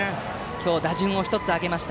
今日打順を１つ上げました